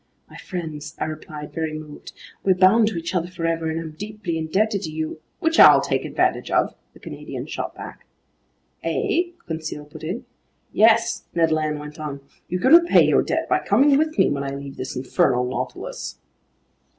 "My friends," I replied, very moved, "we're bound to each other forever, and I'm deeply indebted to you—" "Which I'll take advantage of," the Canadian shot back. "Eh?" Conseil put in. "Yes," Ned Land went on. "You can repay your debt by coming with me when I leave this infernal Nautilus."